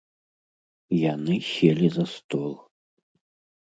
Яны селі за стол.